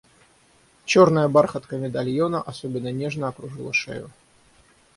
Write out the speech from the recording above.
Черная бархатка медальона особенно нежно окружила шею.